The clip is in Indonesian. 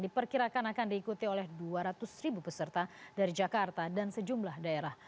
diperkirakan akan diikuti oleh dua ratus ribu peserta dari jakarta dan sejumlah daerah